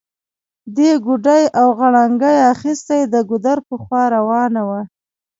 دې ګوډی او غړانګۍ اخيستي، د ګودر پر خوا روانه وه